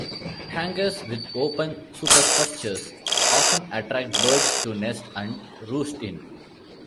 Hangars with open superstructures often attract birds to nest and roost in.